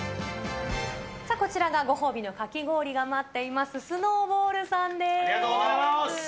さあ、こちらがご褒美のかき氷が待っています、ありがとうございます。